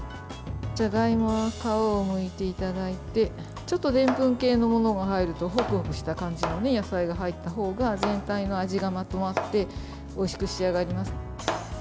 じゃがいもは皮をむいていただいてちょっとでんぷん系のものも入るとホクホクした感じの野菜が入ったほうが全体の味がまとまっておいしく仕上がります。